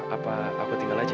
apa aku tinggal aja